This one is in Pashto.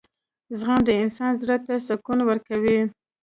• زغم د انسان زړۀ ته سکون ورکوي.